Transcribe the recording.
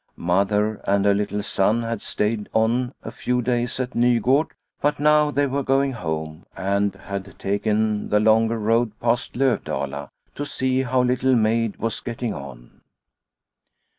Mother and her little son had stayed on a few days at Nugord, but now they were going home and had taken the longer road past Lovdala to see how Little Maid was getting on.